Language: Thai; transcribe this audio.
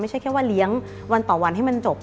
แค่ว่าเลี้ยงวันต่อวันให้มันจบ